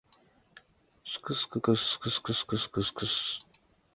skskksksksks